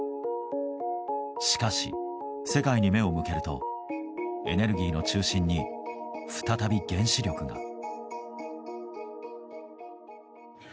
しかし、世界に目を向けるとエネルギーの中心に再び原子力が。